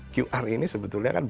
qr ini sebetulnya kan